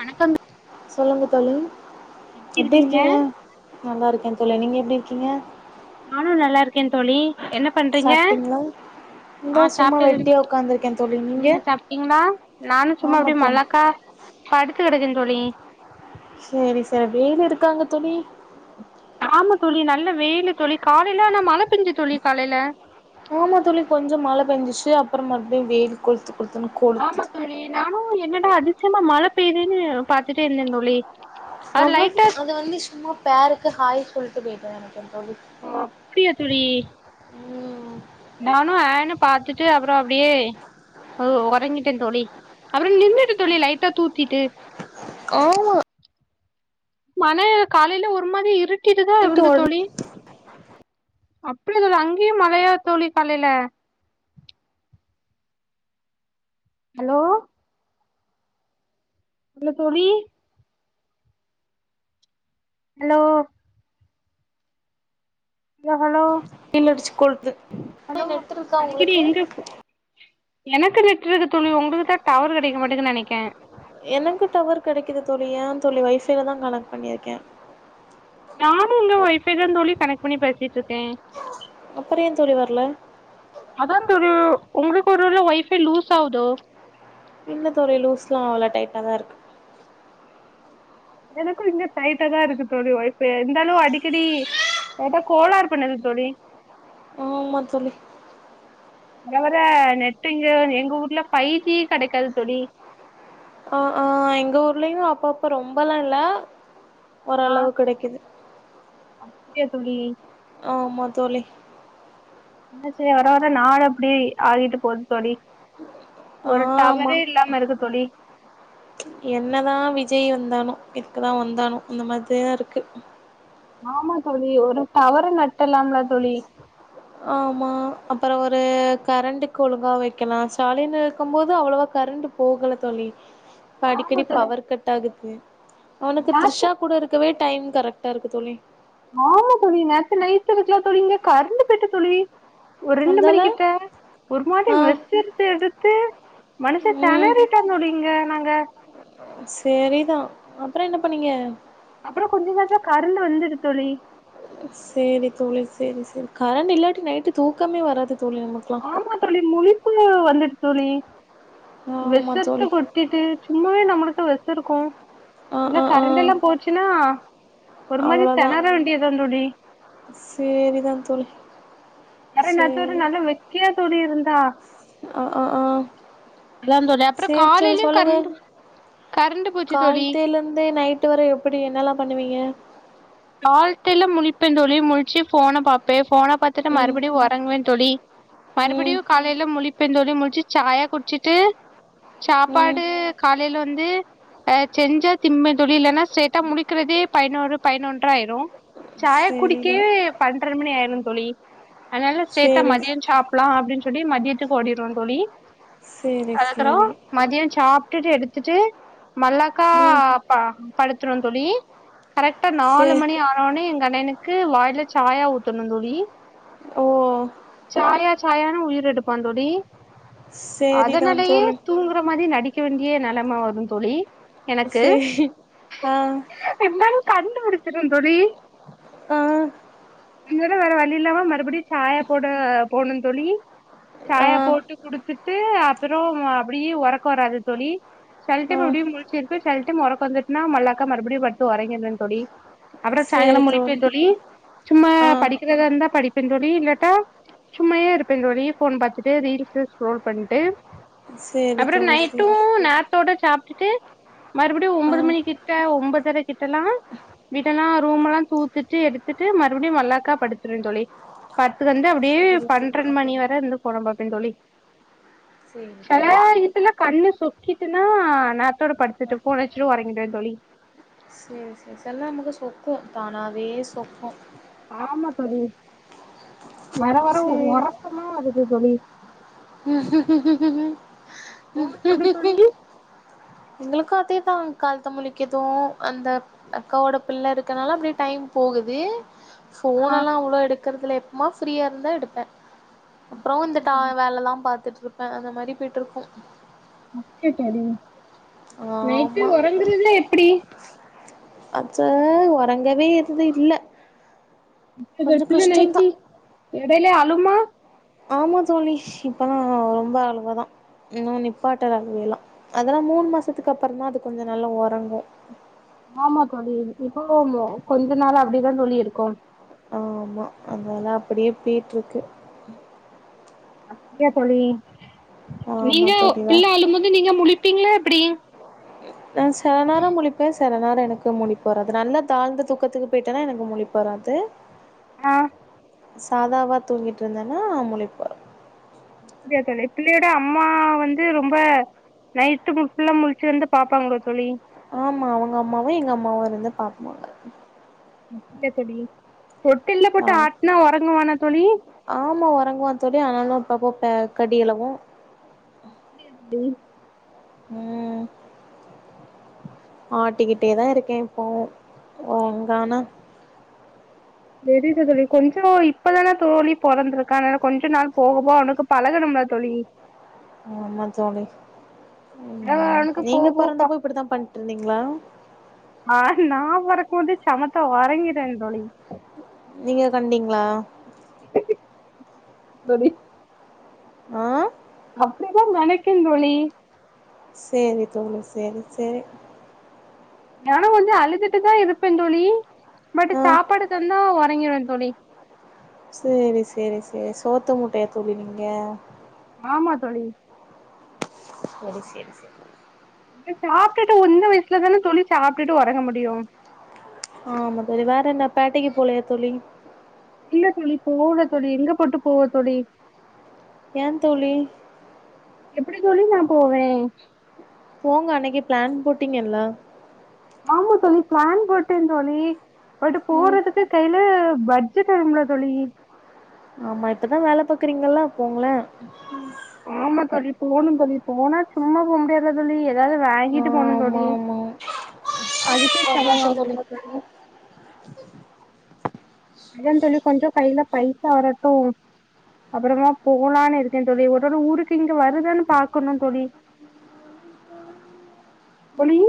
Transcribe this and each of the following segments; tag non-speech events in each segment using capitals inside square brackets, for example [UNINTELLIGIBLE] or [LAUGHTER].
வணக்கம் சொல்லுங்க தோழி எப்டி இருக்கீங்க நல்லா இருக்கே தோழி நீங்க எப்டி இருக்கீங்க நானு நல்லா இருக்கே தோழி என்ன பண்றீங்க சாப்ட்டீங்களா ஆ இந்தா சும்மா சாப்ட்டு இரு வெட்டியா உக்காந்துருக்கே தோழி நீங்க சாப்பிட்டீங்களா நானு சும்மா ஆமா அப்டி தோழி மல்லாக்கா படுத்து கடக்கே தோழி செரி செரி வெலு இருக்க அங்க தோழி ஆமா தோழி நல்ல வெயிலு தோழி காலேல ஆனா மழ பெஞ்சு தோழி காலேல ஆமா தோழி கொஞ்சோ மழ பெஞ்சிச்சு அப்றோ மறுபடியு வெயில் கொளுத்து கொளுத்துன்னு ஆமா கொளுத்துது தோழி நானு என்னடா அதிசயமா மழ பெயுதுன்னு பாத்துட்டே இருந்தே தோழி அது அவ்ள லைட்டா அத வந்து சும்மா பேருக்கு ஹாய் சொல்லிட்டு போயிட்டரு எனக்கு தோழி ஓ அப்டியா தோழி ம் நானு ஆ ன்னு பாத்துட்டு அப்றோ அப்டியே உறங்கிட்டே தோழி அப்றோ நின்னுட்டு தோழி லைட்ட தூத்திட்டு ஆமா மன காலையில ஒரு மாரி இருட்டிடுதா நேத்து இருந்து ஒடனே தோழி அப்டியா தோ அங்கேயு மழையா தோழி காலைல ஹலோ இல்ல தோழி அலோ ஹலோ ஹலோ வெயில் அடிச்சு கொளுத்து ஹலோ அடிக்கடி எங்க எனக்கு நெட்ருக்கு தோழி உங்களுக்கு தா டவர் கிடைக்க மாட்டங்கன்னு நினைக்கே எனக்கு டவர் கிடைக்குது தோழி ஏ தோழி வைஃபைல தா கனெக்ட் பண்ணியிருக்கே நானு இங்க ஒய்ஃபை தா தோழி கனெக்ட் பண்ணி பேசிட்டு இருக்கே அப்றோ ஏ தோழி வரல அதா தோழி ஒ உங்களுக்கு ஒரு வேல ஒய்ஃபை லூஸ் ஆகுதோ இல்ல தோழி லூஸ்லா ஆவள டைட்டா தா இருக்கு எனக்கு இங்க டைட்டா தா இருக்கு தோழி ஓய்ஃபை இருந்தாலு அடிக்கடி ஏதோ கோளார் பண்ணது தோழி ஆமா தோழி வரவர நெட்டு் இங்க எங்க ஊர்ல ஃபைவ் ஜி கிடைக்காது தோழி ஆ ஆ எங்க ஊர்லேயு அப்பப்போ ரொம்பலா இல்ல ஆ ஓரளவு கெடைக்குது அப்டியா தோழி ஆமா தோழி என்ன செய்ய வர வர நாடு அப்டி ஆகிட்டு போகுது தோழி ஒரு டவரே ஆமாம் இல்லாம இருக்கு தோழி என்னதா விஜய் வந்தானோ எதுக்குதா வந்தானோ அந்த மாரிதா இருக்கு ஆமா தோழி ஒரு டவரை நட்டலாம்லா தோழி ஆமா அப்றோ ஒரு கரண்ட்டுக்கு ஒழுங்கா வைக்கலா ஸ்டாலின் இருக்கு போது அவ்ளோவா கரண்ட் போகல தோழி [INAUDIBLE] இப்ப அடிக்கடி தோழி பவர் கட் ஆகுது அவனுக்கு நேத் த்ரிஷா கூட இருக்கவே டைம் கரெக்டாருக்கு தோழி ஆமா தோழி நேத்து நைட்டு இருக்குலா தோழி இங்க கரன்டு போய்ட்டு தோழி ஒரு ரெண்டு வந்தால மணிகிட்ட ஒரு மாரி ஆ ரெஸ்ட்டு எடுத்து எடுத்து மனுஷே தணறிட்டா தோழி இங்க நாங்க சேரிதா அப்றோ என்ன பண்ணீங்க அப்புறோ கொஞ்ச நேரத்துல கருண்டு வந்துடு தோழி சேரி தோழி சேரி சேரி கரண்ட் இல்லாட்டி நைட்டு தூக்கமே வராது தோழி நமக்கு ஆமா தோழி முழிப்பு வந்துட்டு தோழி ஆமா விசர்த்த தோழி கொ ட்டிட்டு சும்மாவே நம்மளுக்கு விச இருக்கு ஆ இல்ல ஆ ஆ கரண்ட் எல்லா போச்சுன்னா ஒரு மாரி அவ்ளோதா திணற வேண்டியதா தோழி சேரிதா தோழி யற என் நேரத்தொரு சேரி நல்ல வெக்கியா சொல்லி இருந்தா அ அ ஆ அதா தோழி அப்றோ சேரி சேரி காலைலயு சொல்லுங்க கரண்ட் கரண்டு போச்சு தோழி காலத்தேல இருந்தே நைட்டு வரை எப்டி என்னல்லா பண்ணுவீங்க காலத்தில முழிப்பே தோழி முழிச்சு ஃபோன பாப்பே ஃபோனை பாத்துட்டு ம் மறுபடியு ஒறங்குவே தோழி ம் மறுபடியு காலையில முழிப்பந் தோழி முழச்சு சாயா குடிச்சிட்டு ம் சாப்பாடு காலையில வந்து அ செஞ்சா திம்ம தோழி இல்லனா சேட்டா முடிக்குறதே பதினொரு பதினொன்றா ஆயிரு சாய குடிக்கே சேரிதா பன்றரை மணி ஆயிரு தோழி அதனால சைட்டா சேரி மதியம் சாப் பலா அப்டின்னு சொல்லி மத்தியத்துக்கு ஓடிவோ தோழி சேரி அதுக்கறோ சேரி மதியோ சாப்ட்டுட்டு எடுத்துட்டு மல்லாக்கா ம் ப்பா படுத்துருவே தோழி கரெக்டா சே நாலு மணி ஆ னோனே எங்க அண்ணனுக்கு வாயில சாயா ஊத்தணு தோழி ஓ சாயா சாயானு உயிர் எடுப்பா தோழி சேரிதா அதுனாலயே தோழி தூங்குற மாரி நடிக் கெ வேண்டிய நெலம வரு தோழி எனக்கு சேரி ஆ இர்ந்தாலு டுபுடிச்சிரு தோழி கா [UNINTELLIGIBLE] வேற வழி இல்லாமா மறுபடியு சாயா போட போனு தோழி ஆ சாயா போட்டு குடுத்துட்டு அப்பறொ அப்டியே ஒறக்கொ வராது தோழி ஆ செல்டைம் அப்டியே முழ்ச்சிருப்ப செல்டைம் ஒறக்கொ வந்துட்னா மல்லாக்கா மறுபடியு பட்த்து ஒறங்கின்ற தோழி அப்பறொ சாயங்காலொ முழிப்ப தோழி சும்மா ஆ படிக்கிறதா இருந்தா படிப்ப தோழி இல்லாட்டா சும்மாயே இருப்பே தோழி ஃபோன் பாத்துட்டு ரீல்ஸு ஸ்க்ரோல் பண்ட்டு சேரி அப்பறொ தோழி நைட்டு சேரி நேர்த் தோட சாப்ட்டுட்டு மறுப்டியு ஆ ஒம்போது மணிக்கிட்ட ஒன்போதர கிட்டல்லா வீட்டல்லா ரூம்மல்லா தூத்துட்டு எடுத்துட்டு மறுப்டியு மல்லாக்கா படுத்துருவ தோழி பத்து வந்து அ ப்டியே சேரி தோழி பண்றன் மணி வர இருந்து ஃபோன பாப்பேன் தோழி சேரி தோழி சேரி கண்ணு சொக்கிட்டுனா நேரத்தோட படுத்துட்டு ஃபோன வச்சுட்டு ஒரங்கிடுவ தோழி சேர் சேர் செல் நேரொ நமக்கு சொக்கும் தானாவே சொக்கு ஆமா தோழி வர வர சேரி ஒரக்கமா வருது தோழி ந உங்களுக்கு எப்டி தோழி [INAUDIBLE] எங்களுக்கு அதேதா காலத்த முழிக்கெற்து அந்த அக்காவோட புள்ள இருக்கனால அப்டியே டைம் போகுது ஆ ஃபோனல்லா அவ்ளோ எடுக்கற்து இல்ல எப்பமா ஃப்ரீயா இருந்தா எடுப்ப அப்பறோ இந்த அப்டியா ட தோழி வேலலா பாத்துட்ருப்ப அந்த மாரி போயிட்ருக்கு ஓகே தோழி நைட்டு ஆமா ஒறங்குறதுலா எப்டி அது ரறங்கவே இது இல்ல கொஞ்சோ [UNINTELLIGIBLE] புள்ள கஷ்டந்தா நைட்டி எடைல அழுமா ஆமா தோழி இப்பல்லா ரொம்ப அழவ தா இன்னு நிப்பாட்டல அழுவயெல்லா அதுலா மூணு மாசத்துக்கு அப்பறந்தா அது கொஞ்சொ நல்லா ஒறங்கு ஆமா தோழி இப்போ கொஞ்ச நாளு அப்டிதா தோழி இருக்கு ஆமா அதல்லா அப்டியே பேய்ட்ருக்கு அப்டியா தோழி ஆமா நீங்க தோழி வே பிள்ள அழும் போது நீங்க முழிப்பீங்ளா எப்டி நா சில நேரொ முழுப்பே செல நேரொ எனக்கு முழிப்பு வராது நல்லா தாழ்ந்த தூக்கத்துக்கு போயிட்டனா எனக்கு முழிப்பு வராது ஆ சாதாவா தூங்கிட்ருந்தனா முழிப்பு வரு அப்டியா தோழி பிள்ளையோட அம்மா வந்து ரொம்ப நைட்டு ஃபுல்லா முழ்ச்சு வந்து பாப்பாங்களா தோழி ஆமா அவ்ங்க அம்மாவு எங்க அம்மாவு இருந்து பாப்பாங்க அப்டியா தோழி தொட்டில்ல ஆ போட்டு ஆட்னா ஒரங்குவானா தோழி ஆமா ஒரங்குவா தோழி ஆனாலு அப்பப்போ க கடியளவு [INAUDIBLE] ம் ஆட்டிக்கிட்டே தா இருக்கே இப்பவு ஒரங்றானா தெரிது தோழி கொஞ்சொ இப்பதான தோழி போறந்த்ருக்கா அனால கொஞ்ச நாள் போக போ அவனுக்கு பழகணும்ல தோழி ஆமா தோழி அதா ம் அவனுக்கு போக நீங்க போக ப பொறந்தப்போ இப்டித்தா பண்ணிட்ருந்தீங்ளா ஆ நா வொறக்கம் போது சமத்த வொறங்கிட்டே தோழி நீங்க கண்டிங்ளா [UNINTELLIGIBLE] தோழி ஆ அப்டிதா நெனைக்கேந் தோழி செர் தோழி செரி செரி நானு கொஞ்சோ அழுதுட்டுதா இருப்பே தோழி பட் ஆ சாப்பாடு தாந்தா வொறங்கிடுவே தோழி செரி செரி செரி சோத்து மூட்டையா தோழி நீங்க ஆமா தோழி செரி செரி செரி அ சாப்ட்டுட்டு உந்த வயசுல தானே தோழி சாப்ட்டுட்டு வொறங்க முடியு ஆமா தோழி வேற என்ன பேட்டைக்கு போலையா தோழி எங்க தோழி போவல தோழி எங்க போட்டு போவ தோழி ஏ தோழி எப்புடி தோழி நா போவே போங்க அன்னைக்கு பிளான் போட்டீங்கல்ல ஆமா தோழி ப்ளான் போட்டே தோழி பட்டு ம் போறதுக்கு கைல பட்ஜெட் எதுமில்ல தோழி ஆமா இப்பதா வேலை பாக்கறீங்கல்ல போங்களே ஆமா தோழி போணு தோழி போனா சும்மா போக முடியாதா தோழி ஏதாவது வாங்கிட்டு போணு தோழி மௌ அதுக்கே செலவாகுல்ல தோழி அதா தோழி கொஞ்ச கையில பைசா வரட்டு அப்புறமா போலானு இருக்கே தோழி ஒருவேல ஊருக்கு இங்க வருதான்னு பாக்கணு தோழி தோழி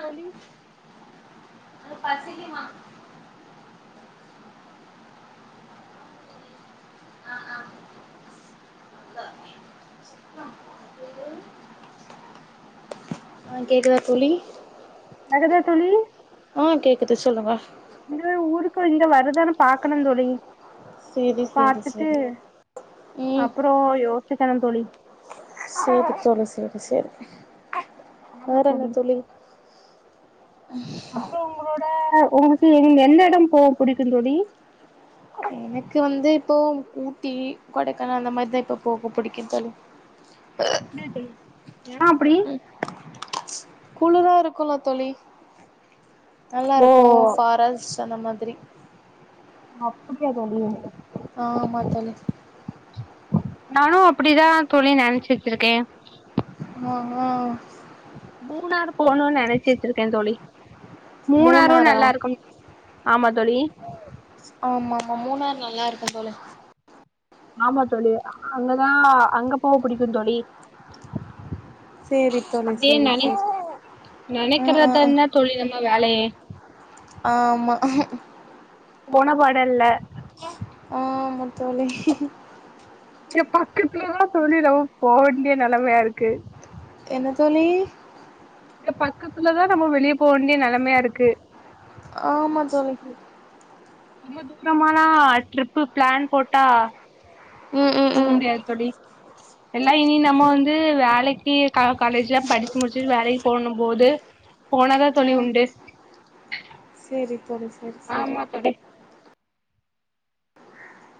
தோழி [INAUDIBLE] ஆ கேக்குதா தோழி வருதா தோழி ஆ கேக்குது சொல்லுங்க ஆ ஊருக்கு இங்க வருதான்னு பாக்கணுந் தோழி சேரி சேரி பாத்துட்டு சேரி ம் அப்பறோ யோசிக்கணு தோழி செரி தோழி செரி செரி வேற என்ன தோழி அப்புறோ உங்களோட உங்களுக்கு எந்த எடம் போக புடிக்கு தோழி எனக்கு வந்து இப்போ ஊட்டி கொடைக்கானல் அந்த மாரிதா இப்ப போக புடிக்கு தோழி [UNINTELLIGIBLE] எடோ அப்டி குளுரா இருக்குல்ல தோழி நல்லா ஓ இருக்குஸஃபாரஸ்ட் அந்த மாதிரி அப்புடியா தோழி ஆமா தோழி நானு அப்டிதா தோழி நெனச்சி வெச்சிருக்கே [UNINTELLIGIBLE] மூணாறு போணுன்னு நெனைச்சி வெச்சிருக்கே தோழி மூணாரு மூணாறா நல்லா இருக்குன் ஆமா தோழி ஆமாமா மூணாரு நல்லா இருக்கு தோழி ஆமா தோழி அங்கதா அங்க போக புடிக்குந் தோழி சேரி தோழி அப்டியே சேரி நெனை சேரி ஆ ஆ ஆ நெனைக்கற்தான்ன தோழி நம்ம வேலையே ஆம்மா போனபாடல்ல ஆ தோழி இங்க பக்கத்துல தா தோழி நம்ம போ வேண்டிய நெலமயா இருக்கு என்ன தோழி இங்க பக்கத்துலதா நம்ம வெளிய போ வேண்டிய நெலமயா இருக்கு ஆமா தோழி ரொம்ப தூரமாலா ட்ரிப்பு ப்ளான் போட்டா ம் ம் போக ம் முடியாது தோழி எல்லா இனி நம்ம வந்து வேலைக்கி க காலேஜ்ல்லா படிச்சு முடிச்சுட்டு வேலைக் போவ்ணு போது போனாதா ஆ தோழி உண்டு சேரி தோழி செரி செரி ஆமா தோழி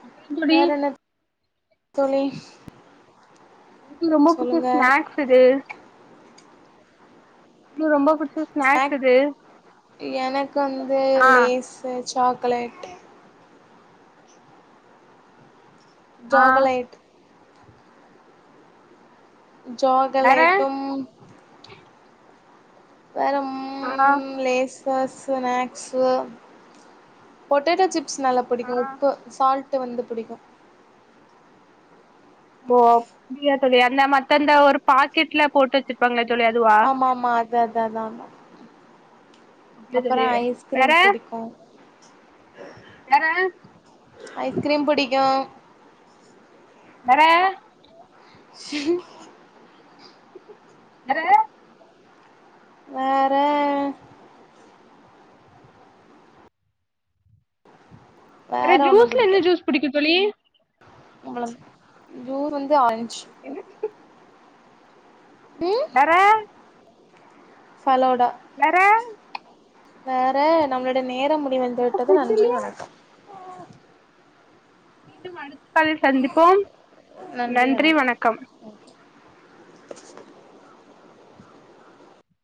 அப்றோ தோழி வேற என்ன தோழி [UNINTELLIGIBLE] ரொம்ப புடிச்ச சொல்லுங்க ஸ்நாக்ஸ் எது இது ரொம்ப புடிச் ஸ்நாக் எனக்கு வந்து ஆ லேசு சாக்லேட்டு ஆ ஜாகலேட் வேற ஜாகலேட்டும் வேணும் ஆ லேஸ்சு ஸ்நாக்ஸ்சு பொட்டேட்டோ சிப்ஸ் நல்லா ஆ புடிக்கு உப்பு சால்ட்டு வந்து புடிக்கு போ [UNINTELLIGIBLE] மத்தந்த ஒரு பாக்கெட்ல போட்டு வெச்சுப் பாங்கலே தோழி அதுவா ஆமா ஆமா அதா அதா அதாந்தா அப்டியா தோழி வேற ஐஸ்கிரீம் புடிக்கு வேற ஐஸ்கிரீம் புடிக்கு வேற வேற வேற வேற ஒன்னு ஜூஸ்ல என்ன புடிக்காது ஜூஸ் புடிக்கு தோழி [UNINTELLIGIBLE] ஜூஸ் வந்து ஆரஞ்ச் [INAUDIBLE] ம் வேற ஃபலோடா வேற வேற நம்மளோடைய நேரம் முடிவடைந்து அப்ப விட்டது ஃபுட்டுல நன்றி வணக்கம் மீண்டும் அடுத்த காலில் சந்திப்போம் நன்றி வணக்கம்